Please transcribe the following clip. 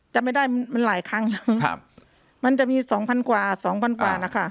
จำไม่ได้มันมันหลายครั้งแล้วครับมันจะมีสองพันกว่าสองพันกว่านะคะ